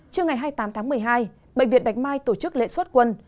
trước ngày hai mươi tám tháng một mươi hai bệnh viện bạch mai tổ chức lệ suất quân